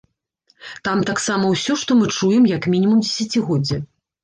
Там таксама ўсё, што мы чуем як мінімум дзесяцігоддзе.